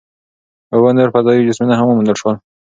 اووه نور فضايي جسمونه هم وموندل شول.